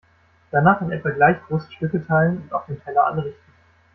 Danach in etwa gleich große Stücke teilen und auf dem Teller anrichten.